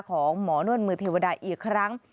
ของหมอนวดมือเทวดาอีกครั้ง